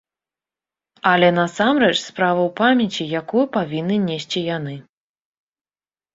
Але насамрэч справа ў памяці, якую павінны несці яны.